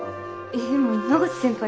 えっでも永瀬先輩